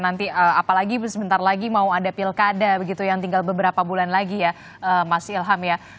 nanti apalagi sebentar lagi mau ada pilkada begitu yang tinggal beberapa bulan lagi ya mas ilham ya